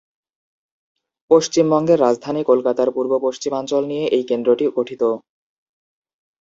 পশ্চিমবঙ্গের রাজধানী কলকাতার পূর্ব-পশ্চিমাঞ্চল নিয়ে এই কেন্দ্রটি গঠিত।